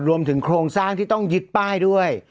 รวมถึงโครงสร้างที่ต้องยึดป้ายด้วย